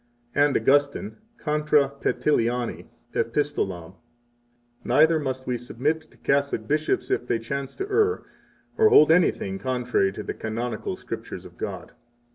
28 And Augustine (Contra Petiliani Epistolam): Neither must we submit to Catholic bishops if they chance to err, or hold anything contrary to the Canonical Scriptures of God.